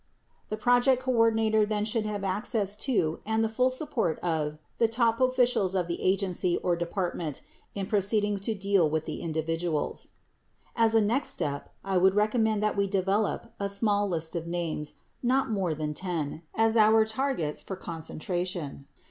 8 The project coordinator then should have access to and the full support of the top officials of the agency or department in proceeding to deal with the individual. As a next step, I would recommend that we develop a small list of names — not more than ten — as our targets for concen tration.